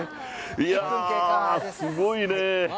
いやぁ、すごいね。